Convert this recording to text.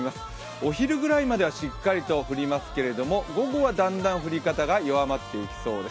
お昼ぐらいまではしっかり降りますが午後はだんだん降り方が弱まっていきそうです。